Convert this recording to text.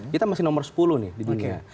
kita masih nomor sepuluh nih di dunia